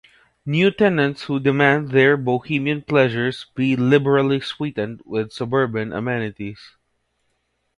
New tenants who demand their bohemian pleasures be liberally sweetened with suburban amenities.